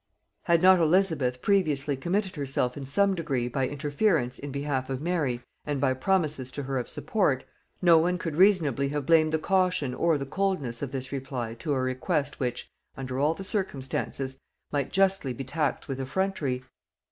Had not Elizabeth previously committed herself in some degree by interference in behalf of Mary, and by promises to her of support, no one could reasonably have blamed the caution or the coldness of this reply to a request, which, under all the circumstances, might justly be taxed with effrontery.